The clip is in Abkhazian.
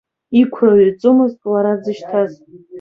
Иқәра ҩаӡомызт, лара дзышьҭаз.